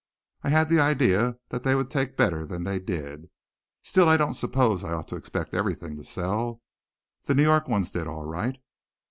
"I had the idea that they would take better than they did. Still I don't suppose I ought to expect everything to sell. The New York ones did all right."